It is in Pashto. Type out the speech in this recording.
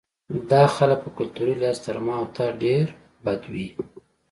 دا خلک په کلتوري لحاظ تر ما او تا ډېر بدوي وو.